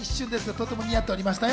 とても似合っておりましたよ。